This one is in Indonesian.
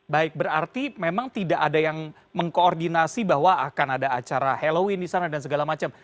baik berarti memang tidak ada yang mengkoordinasi bahwa akan ada acara halloween di sana dan segala macam